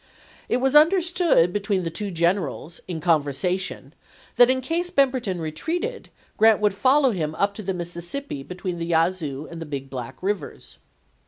It was understood between the two generals, in conversation, that in case Pern "Military berton retreated, Grant would follow him up to grai't8" the Mississippi between the Yazoo and the Big p0^ ; Black rivers.